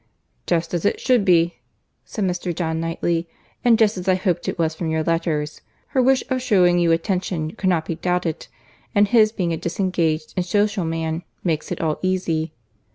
"Just as it should be," said Mr. John Knightley, "and just as I hoped it was from your letters. Her wish of shewing you attention could not be doubted, and his being a disengaged and social man makes it all easy.